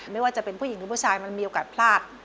ไม่ว่าจะเป็นผู้หญิงหรือผู้ชายมันมีโอกาสพลาด